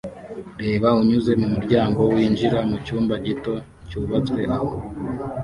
Reba unyuze mumuryango winjira mucyumba gito cyubatswe aho